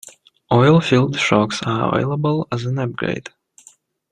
Oil-filled shocks are available as an upgrade.